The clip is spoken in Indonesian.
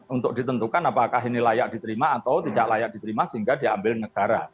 untuk ditentukan apakah ini layak diterima atau tidak layak diterima sehingga diambil negara